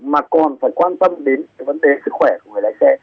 mà còn phải quan tâm đến cái vấn đề sức khỏe của người lái xe